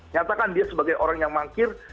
nyatakan dia sebagai orang yang mangkir